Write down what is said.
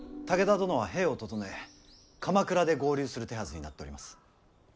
武田殿は兵を調え鎌倉で合流する手はずになっております。